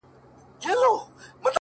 چي د وجود له آخرې رگه وتلي شراب’